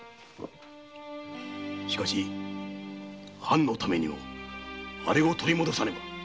しかし藩のためにあれを取り戻さねば！